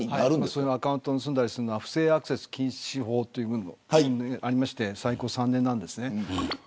そういうアカウントを盗むのは不正アクセス禁止法というのがありまして最高３年なんですね。